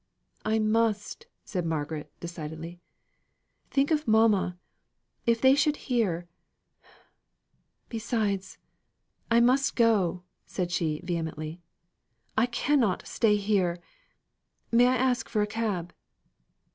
"I must," said Margaret, decidedly. "Think of mamma. If they should hear Besides, I must go," said she, vehemently. "I cannot stay here. May I ask for a cab?"